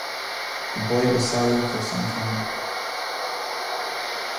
The boy was silent for some time.